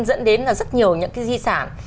dẫn đến là rất nhiều những cái di sản